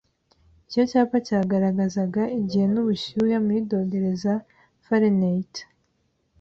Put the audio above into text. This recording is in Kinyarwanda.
icyo cyapa cyagaragazaga igihe n ubushyuhe muri dogere za Fahrenheit